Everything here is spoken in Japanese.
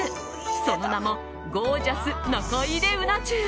その名もゴージャス中入れうな重。